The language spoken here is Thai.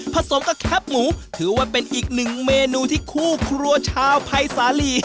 สมกับแคปหมูถือว่าเป็นอีกหนึ่งเมนูที่คู่ครัวชาวภัยสาลี